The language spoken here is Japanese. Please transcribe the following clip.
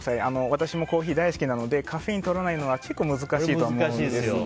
私もコーヒー大好きなのでカフェインとらないのは結構難しいとは思うんですが。